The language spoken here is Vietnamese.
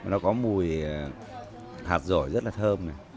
nó có mùi hạt dồi rất là thơm